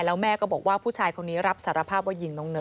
แล้วแม่ก็บอกว่าผู้ชายคนนี้รับสารภาพว่ายิงน้องเนิร์